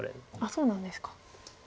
そうなんですか。